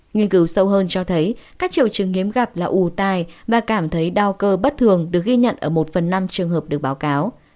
nghiên cứu sâu hơn cho thấy các triệu chứng hiếm gặp là ù tài và cảm thấy đau cơ bất thường được ghi nhận ở một phần năm trường hợp được báo cáo